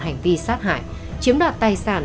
hành vi sát hại chiếm đạt tài sản